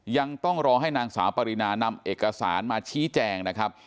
ยังต้องรอให้นางสาวปรินานำเอกสารมาชี้แจงนะครับ